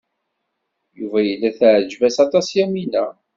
Yuba tella teɛjeb-as aṭas Yamina.